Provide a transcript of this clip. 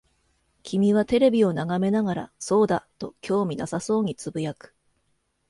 君はテレビを眺めながら、そうだ、と興味なさそうに呟く。